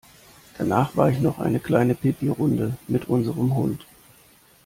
Danach war ich noch eine kleine Pipirunde mit unserem Hund.